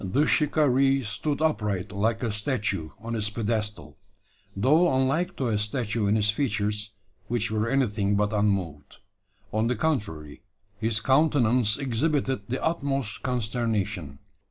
The shikaree stood upright like a statue on its pedestal though unlike to a statue in his features, which were anything but unmoved. On the contrary, his countenance exhibited the utmost consternation.